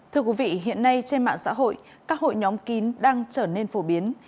thưa quý vị hiện nay trên mạng xã hội các hội nhóm kín đang trở nên phổ biến